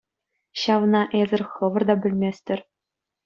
Ҫавна эсӗр хӑвӑр та пӗлместӗр!